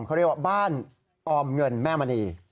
เขาเรียกว่าบ้านออมเงินแม่มณี